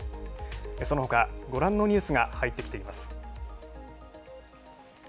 そのほか、ご覧のニュースが入ってきています。